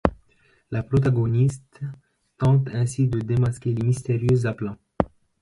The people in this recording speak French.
La protagoniste tente ainsi de démasquer le mystérieux appelant.